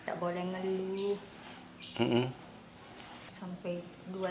tidak boleh ngeluh